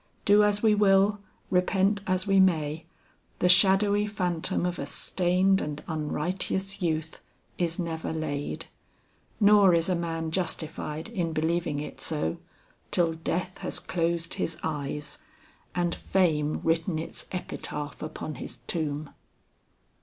Do as we will, repent as we may, the shadowy phantom of a stained and unrighteous youth is never laid; nor is a man justified in believing it so, till death has closed his eyes, and fame written its epitaph upon his tomb.